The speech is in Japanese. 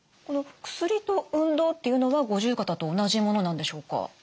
薬と運動っていうのは五十肩と同じものなんでしょうか？